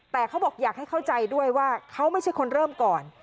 แต่เขาบอกอยากให้เข้าใจด้วยว่าเขาไม่ใช่คนเริ่มก่อน